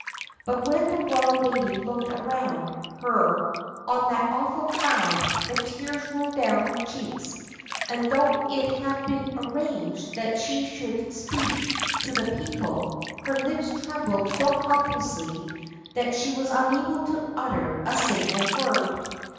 But when the royal lady looked around her on that awful crowd, the tears rolled down her cheeks, and though it had been arranged that she should speak to the people, her lips trembled so helplessly that she was unable to utter a single word.